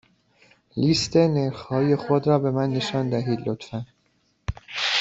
لیست نرخ های خود را به من نشان دهید، لطفا.